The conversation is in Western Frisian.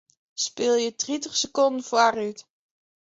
Spylje tritich sekonden foarút.